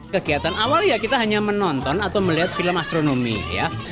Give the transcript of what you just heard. kegiatan awal ya kita hanya menonton atau melihat film astronomi ya